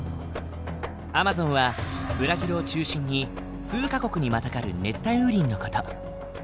アマゾンはブラジルを中心に数か国にまたがる熱帯雨林の事。